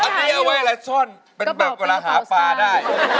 อันนี้เอาไว้อะไรซ่อนเป็นแบบเวลาหาปลาได้